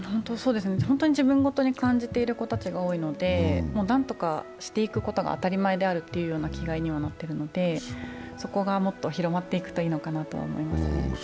本当に自分事に感じている子たちが多いので、何とかしていくことが当たり前だという気概にはなっているのでそこがもっと広まっていくといいのかなと思います。